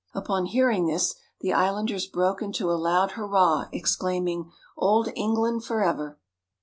Upon hearing this, the islanders broke into a loud hurrah, exclaiming, "Old England forever!"